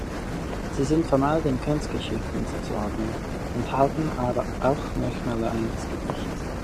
Sie sind formal den Kurzgeschichten zuzuordnen, enthalten aber auch Merkmale eines Gedichts.